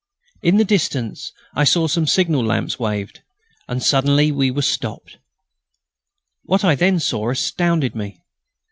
In the distance I saw some signal lamps waved, and suddenly we stopped. What I then saw astounded me.